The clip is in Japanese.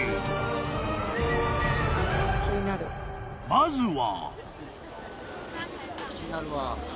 ［まずは］